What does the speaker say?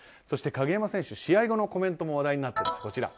そして鍵山選手、試合後のコメントも話題になっています。